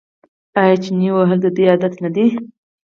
آیا چنې وهل د دوی عادت نه دی؟